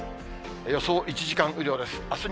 予想１時間雨量です。